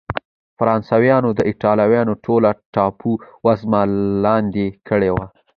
فرانسویانو د اېټالیا ټوله ټاپو وزمه لاندې کړې وه.